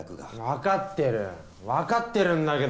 わかってるわかってるんだけど。